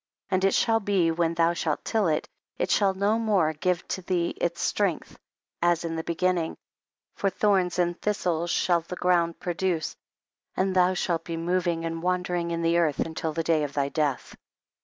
32. And it shall be when thou shalt till it, it sliall no mare give thee its strength as in the beginning, for thorns and thistles shall the ground produce, and thou sbalt be moving and wandering in the earth* until the day of thy death.